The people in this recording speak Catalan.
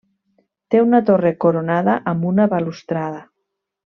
Té una torre coronada amb una balustrada.